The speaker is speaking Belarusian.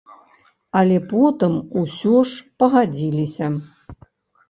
Але потым усё ж пагадзіліся.